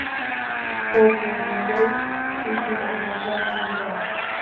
تۆپ و گوللە و چەکی ئەو ڕۆژە ڕاگیراون